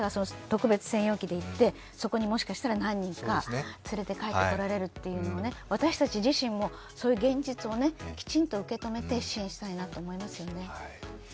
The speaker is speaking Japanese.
特別専用機で行って、そこにもしかしたら何人か連れて帰ってこられるというのが、私たち自身もそういう現実をきちんと受け止めて支援したいなと思いますよね。